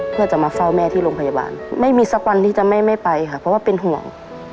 เพื่อจะมาเฝ้าแม่ที่โรงพยาบาลไม่มีสักวันที่จะไม่ไปค่ะเพราะว่าเป็นห่วง